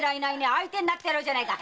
相手になってやろうじゃないか。